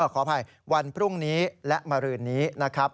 ขออภัยวันพรุ่งนี้และมารืนนี้นะครับ